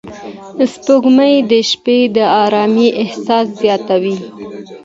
سپوږمۍ د شپې د آرامۍ احساس زیاتوي